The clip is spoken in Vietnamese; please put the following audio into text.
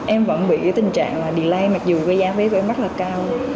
em vẫn bị tình trạng delay mặc dù giá vé bay mắt là cao